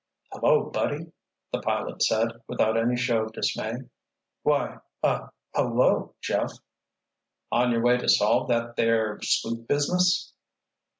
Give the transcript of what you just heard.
"Hello, buddy," the pilot said, without any show of dismay. "Why—uh—hello, Jeff!" "On your way to solve that there spook business?"